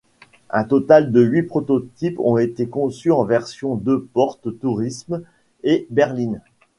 Un total de huit prototypes ont été conçus en version deux-portes tourisme et berline.